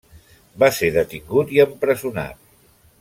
Va ser detingut i empresonat.